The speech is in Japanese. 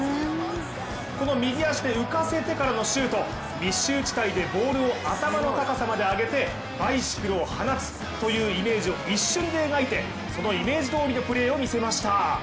この右足で浮かせてからのシュート、密集地帯でボールを頭の高さまで上げて、バイシクルを放つというイメージを一瞬で描いてそのイメージどおりのプレーを見せました。